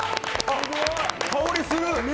香りする。